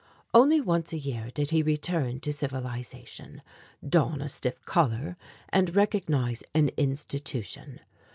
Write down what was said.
Only once a year did he return to civilization, don a stiff collar, and recognize an institution.